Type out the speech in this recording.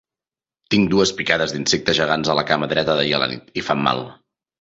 Tinc dues picades d'insecte gegants a la cama dreta d'ahir a la nit, i fan mal!